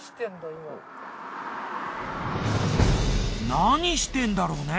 何してんだろうね？